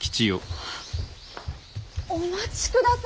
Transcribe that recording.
お待ちください！